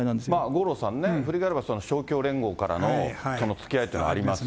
五郎さんね、振り返れば勝共連合からのつきあいというのがあります。